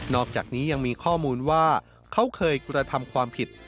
อกจากนี้ยังมีข้อมูลว่าเขาเคยกระทำความผิด